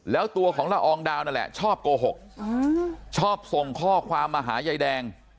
แล้วตัวของละอองดาวนั่นแหละชอบโกหกชอบส่งข้อความมาหายายแดง